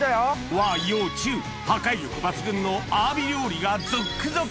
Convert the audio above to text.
和洋中破壊力抜群のアワビ料理が続々！